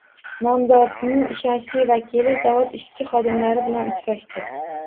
Nomzodning ishonchli vakili zavod ishchi-xodimlari bilan uchrashdi